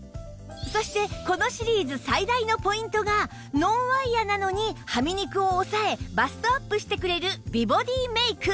そしてこのシリーズ最大のポイントがノンワイヤなのにはみ肉を押さえバストアップしてくれる美ボディーメイク